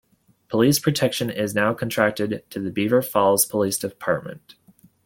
Police protection is now contracted to the Beaver Falls Police Department.